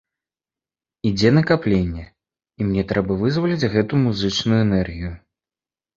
Ідзе накапленне, і мне трэба вызваліць гэту музычную энергію.